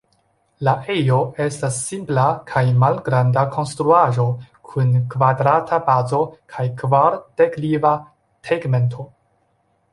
La ejo estas simpla kaj malgranda konstruaĵo kun kvadrata bazo kaj kvar-dekliva tegmento.